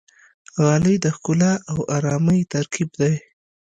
غالۍ د ښکلا او آرامۍ ترکیب دی.